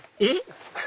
えっ？